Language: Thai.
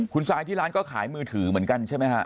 คุณสายที่ร้านก็ขายมือถือเถอะใช่ไหมฮะ